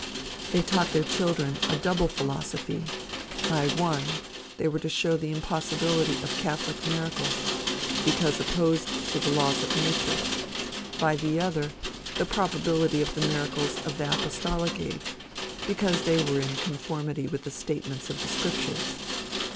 They taught their children a double philosophy: by one, they were to show the impossibility of catholic miracles, because opposed to the laws of nature; by the other, the probability of the miracles of the apostolic age, because they were in conformity with the statements of the scriptures.